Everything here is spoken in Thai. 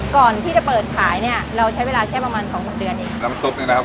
ก่อนที่จะเปิดขายเนี้ยเราใช้เวลาแค่ประมาณสองสามเดือนเองน้ำซุปเนี้ยนะครับ